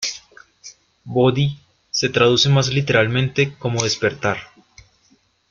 Bodhi se traduce más literalmente como despertar.